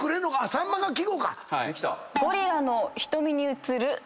「さんま」が季語か！